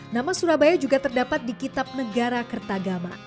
nama surabaya juga terdapat di kitab negara kertagama